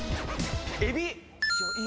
エビ。